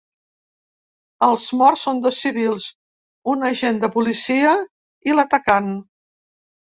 Els morts són dos civils, un agent de policia i l’atacant.